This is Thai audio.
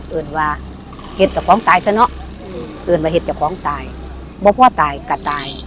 เอิญว่าเห็นต่อของตายซะเนอะเอิญว่าเห็นต่อของตายบ่พ่อตายกะตาย